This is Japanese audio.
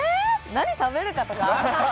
何食べるかとか。